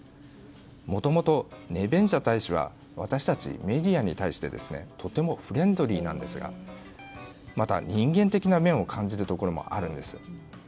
もともとネベンジャ大使は私たちメディアに対してとてもフレンドリーなんですがまた、人間的な面を感じるところもあるんです。